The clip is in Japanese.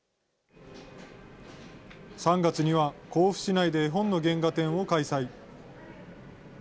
３月には甲府市内で絵本の原画展を開催。